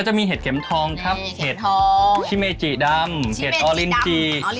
จะมีเห็ดเข็มทองครับเห็ดทองชิเมจิดำเห็ดออลินจี